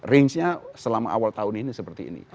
range nya selama awal tahun ini seperti ini